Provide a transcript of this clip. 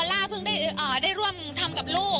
ไม่ควรเชื่อใจมาเลย